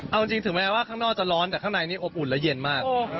เอาจริงถึงแม้ว่าข้างนอกจะร้อนแต่ข้างในนี้อบอุ่นและเย็นมาก